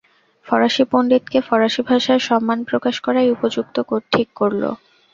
ফরাসী পণ্ডিতকে ফরাসী ভাষায় সম্মান প্রকাশ করাই উপযুক্ত ঠিক করল।